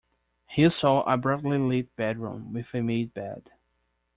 He saw a brightly lit bedroom with a made bed.